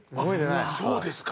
あっそうですか。